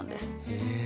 へえ。